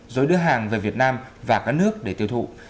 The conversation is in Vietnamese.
rồi đưa hàng về việt nam và các nước để tiêu thụ